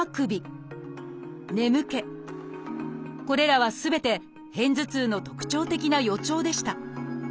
これらはすべて片頭痛の特徴的な予兆でした。